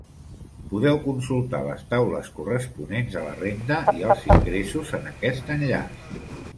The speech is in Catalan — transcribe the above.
Podeu consultar les taules corresponents a la renda i als ingressos en aquest enllaç.